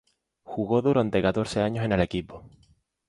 Jugó durante catorce años en el equipo.